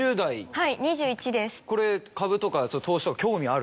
はい。